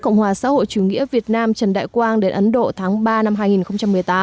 cộng hòa xã hội chủ nghĩa việt nam trần đại quang đến ấn độ tháng ba năm hai nghìn một mươi tám